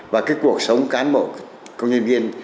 và cái cuộc sống cán bộ công nhân viên